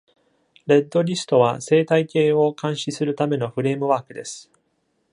レッドリストは生態系を監視するためのフレームワークです。